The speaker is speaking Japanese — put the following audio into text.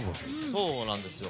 そうなんですよ。